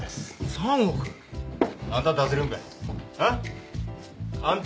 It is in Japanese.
３億。あんた出せるんかい？